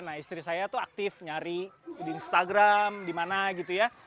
nah istri saya tuh aktif nyari di instagram di mana gitu ya